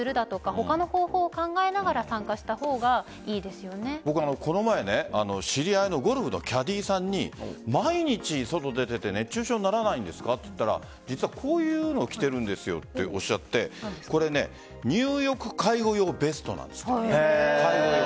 他の方法を考えながら参加した方がこの前、知り合いのゴルフのキャディーさんに毎日外に出てて熱中症にならないんですかと言ったら実はこういうのを着ているんですよとおっしゃって入浴介護用ベストなんです。